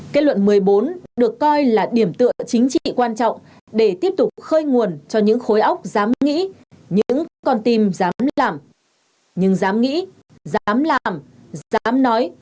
kết luận một mươi năm được coi là điểm tựa chính trị quan trọng để tiếp tục khơi nguồn cho những khối óc dám nghĩ những con tim dám làm